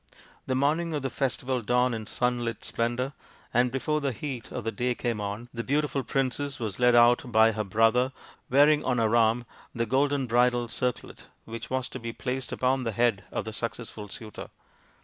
The morning of the festival dawned in sunlit splendour, and before the heat of the day came on the beautiful princess was led out by her brother, wearing on her arm the golden bridal circlet which was to be placed upon the head of the successful suitor.